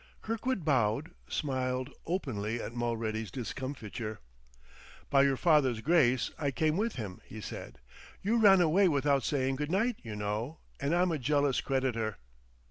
Kirkwood bowed, smiling openly at Mulready's discomfiture. "By your father's grace, I came with him," he said. "You ran away without saying good night, you know, and I'm a jealous creditor."